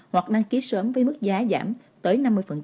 hoặc đăng ký sớm với mức giá giảm tới năm mươi